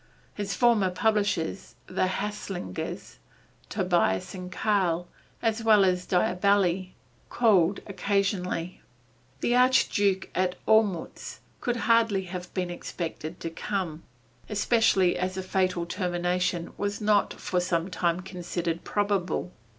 His former publishers the Haslingers, Tobias and Karl, as well as Diabelli, called occasionally. The Archduke at Olmütz could hardly have been expected to come, especially as a fatal termination was not for some time considered probable.